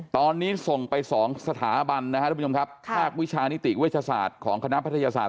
ตอนนี้ส่งไป๒สถาบันนะครับแทบวิชานิติวิทยาศาสตร์ของคณะพัทยาศาสตร์